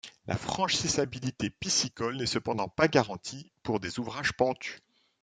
La franchissabilité piscicole n'est cependant pas garantie pour des ouvrages pentus.